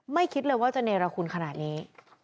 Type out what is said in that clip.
คิดเลยว่าจะเนรคุณขนาดนี้